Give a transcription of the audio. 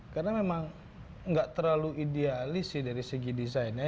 karena memang enggak terlalu idealis sih dari segi desainnya